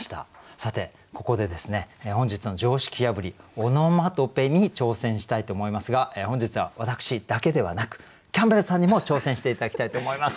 さてここで本日の常識破りオノマトペに挑戦したいと思いますが本日は私だけではなくキャンベルさんにも挑戦して頂きたいと思います。